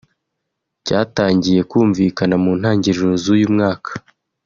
cyatangiye kumvikana mu ntangiro z’uyu mwaka